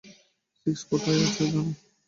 Six কোথায় আছে, জানো?